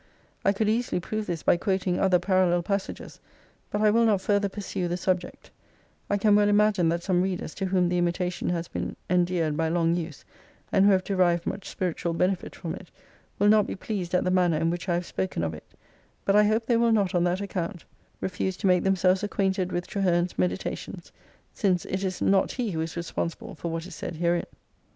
I could easily prove this by quoting other parallel pas sages : but I will not further pursue the subject, I can well imagine that some readers, to whom the "Imitation" has been endeared by long use, and who have derived much spiritual benefit from it, will not be pleased at the manner in which I have spoken of it : but I hope they will not on that account, refuse to make themselves acquainted with Traheme's "Meditations," since it is not he who is responsible for what is said herein.